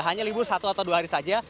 hanya libur satu atau dua hari saja